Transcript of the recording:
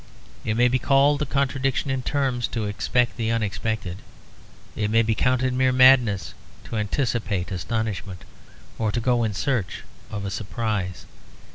It may be called a contradiction in terms to expect the unexpected. It may be counted mere madness to anticipate astonishment, or go in search of a surprise.